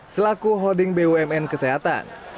selaku holding bumn kesehatan